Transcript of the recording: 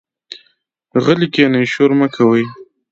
غلي کېنئ، شور مۀ کوئ.